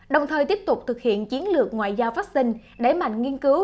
đồng thời tiếp tục thực hiện chiến lược ngoại giao vaccine đẩy mạnh nghiên cứu